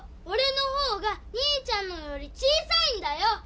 おれの方が兄ちゃんのより小さいんだよ！